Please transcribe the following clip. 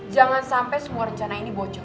jangan sampai semua rencana ini bocor